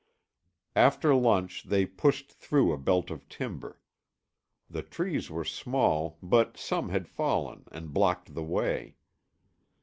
After lunch they pushed through a belt of timber. The trees were small, but some had fallen and blocked the way.